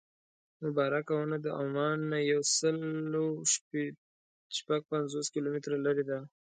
مبارکه ونه د عمان نه یو سل او شپږ پنځوس کیلومتره لرې ده.